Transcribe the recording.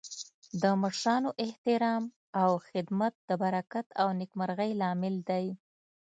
د مشرانو احترام او خدمت د برکت او نیکمرغۍ لامل دی.